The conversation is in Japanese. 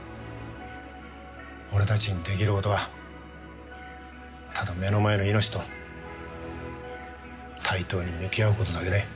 俺たちにできることはただ目の前の命と対等に向き合うことだけだよ。